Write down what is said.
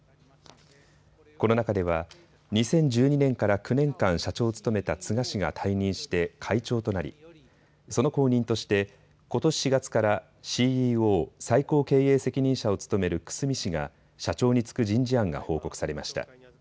この中では２０１２年から９年間、社長を務めた津賀氏が退任して会長となりその後任としてことし４月からＣＥＯ・最高経営責任者を務める楠見氏が社長に就く人事案が報告されました。